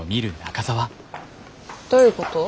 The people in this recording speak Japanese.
どういうこと？